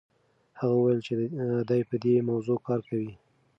هغه وویل چې دی په دې موضوع کار کوي.